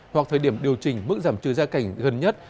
hoặc thời điểm điều chỉnh mức giảm trừ gia cảnh gần nhất